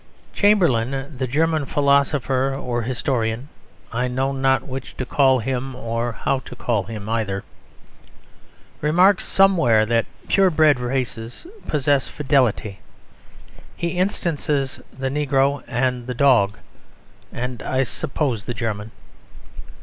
Chamberlain, the German philosopher or historian (I know not which to call him or how to call him either) remarks somewhere that purebred races possess fidelity; he instances the negro and the dog and, I suppose, the German.